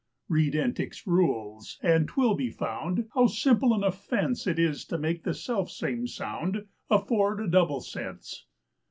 Read Entick's rules, and 'twill be found, how simple an offence It is to make the self same sound afford a double sense.